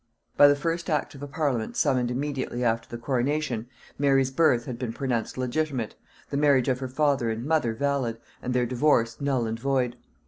By the first act of a parliament summoned immediately after the coronation, Mary's birth had been pronounced legitimate, the marriage of her father and mother valid, and their divorce null and void.